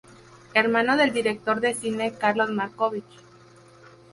Hermano del director de cine Carlos Marcovich.